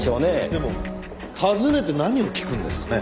でも訪ねて何を聞くんですかね？